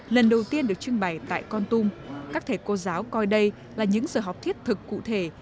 lần đầu tiên được trưng bày tại con tum các thầy cô giáo coi đây là những giờ học thiết thực cụ thể